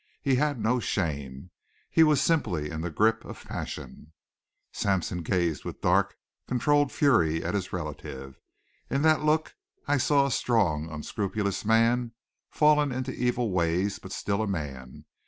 He had no shame. He was simply in the grip of passion. Sampson gazed with dark, controlled fury at his relative. In that look I saw a strong, unscrupulous man fallen into evil ways, but still a man.